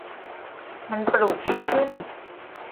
มันปลูกไม่ขึ้น !